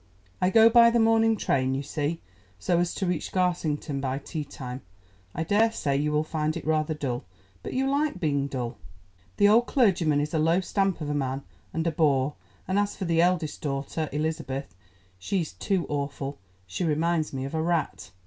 I go by the morning train, you see, so as to reach Garsington by tea time. I daresay you will find it rather dull, but you like being dull. The old clergyman is a low stamp of man, and a bore, and as for the eldest daughter, Elizabeth, she's too awful—she reminds me of a rat.